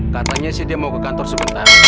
katanya sih dia mau ke kantor sebentar